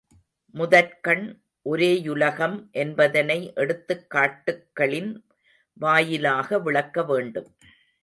முதற்கண், ஒரேயுலகம் என்பதனை எடுத்துக் காட்டுக்களின் வாயிலாக விளக்க வேண்டும்.